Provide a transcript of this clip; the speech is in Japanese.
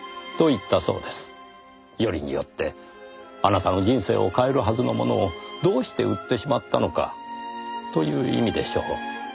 よりによってあなたの人生を変えるはずのものをどうして売ってしまったのか？という意味でしょう。